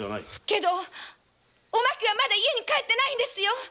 けどお槙はまだ家に帰ってないんですよ！